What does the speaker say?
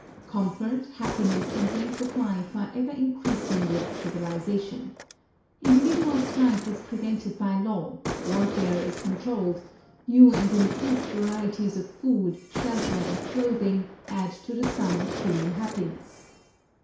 Comfort, happiness, and length of life are ever increasing with civilization. Individual strife is prevented by law, warfare is controlled, new and improved varieties of food, shelter, and clothing add to the sum of human happiness.